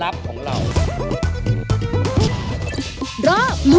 มินมิน